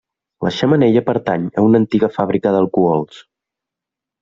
La xemeneia pertany a una antiga fàbrica d'alcohols.